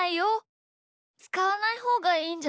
つかわないほうがいいんじゃない？